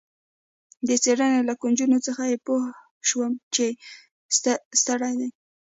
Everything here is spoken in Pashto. د څېرې له ګونجو څخه يې پوه شوم چي ستړی دی.